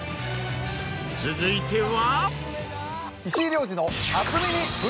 続いては。